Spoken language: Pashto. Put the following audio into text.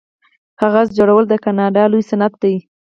کاغذ جوړول د کاناډا لوی صنعت دی.